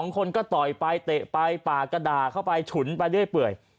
คนก็ต่อยไปเตะไปปากกระดาษเข้าไปฉุนไปเรื่อย